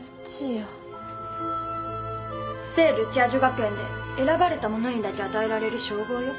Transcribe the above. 聖ルチア女学園で選ばれた者にだけ与えられる称号よ。